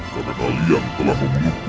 karena nalian telah membunuhku